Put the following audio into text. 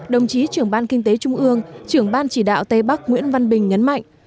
đồng chí trưởng ban kinh tế trung ương trưởng ban chỉ đạo tây bắc nguyễn văn bình nhấn mạnh